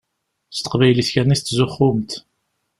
S teqbaylit kan i tettzuxxumt.